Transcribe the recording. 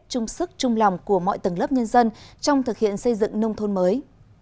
chung sức chung lòng của mọi tầng lớp nhân dân trong thực hiện xây dựng nông thôn mới